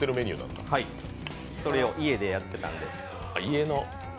それを家でやってたんで。